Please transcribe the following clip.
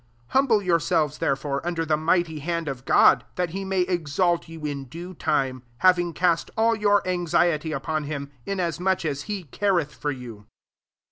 6 Humble yourselves there fore under the mighty hand of God, that he may exalt you in due time : 7 having cast all your anxiety upon Him, inasmuch as He careth for you.